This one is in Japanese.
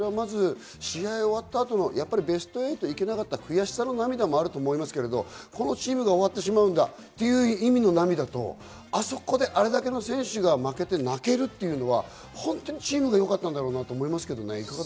試合が終わった後のベスト８行けなかった悔しさの涙もあると思いますけれど、このチームが終わってしまうんだという意味の涙と、あそこであれだけの選手が負けて泣けるというのはチームがよかったんだろうなと思いますけどね。